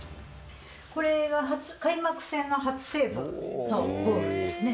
これが開幕戦の初セーブのボールですね。